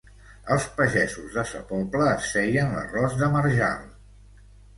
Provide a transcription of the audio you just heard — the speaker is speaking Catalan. Els pagesos de Sa Pobla es feien l'arròs de marjal